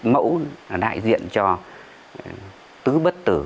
mẫu là đại diện cho tứ bất tử